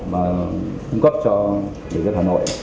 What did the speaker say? mà cung cấp cho người dân hà nội